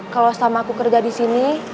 kalo selama aku kerja disini